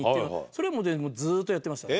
それもうずっとやってました。